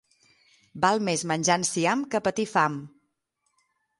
Val més menjar enciam que patir fam.